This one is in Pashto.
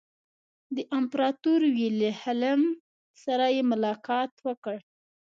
د امپراطور ویلهلم سره یې ملاقات وکړ.